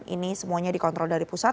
ini semuanya dikontrol dari pusat